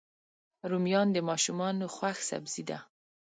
رومیان د ماشومانو خوښ سبزي ده